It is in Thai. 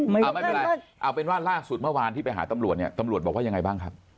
ไม่เป็นไรเอาเป็นว่าล่าสุดเมื่อวานที่ไปหาตำรวจเนี่ยตำรวจบอกว่ายังไงบ้างครับ